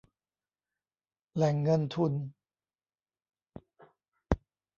แหล่งเงินทุน